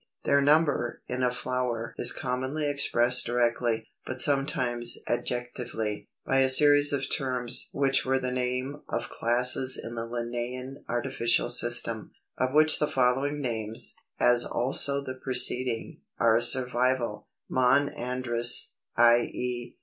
284. =Their Number= in a flower is commonly expressed directly, but sometimes adjectively, by a series of terms which were the name of classes in the Linnæan artificial system, of which the following names, as also the preceding, are a survival: Monandrous, i. e.